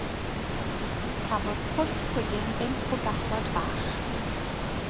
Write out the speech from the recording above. Cafodd Pws Pwdin bump o gathod bach.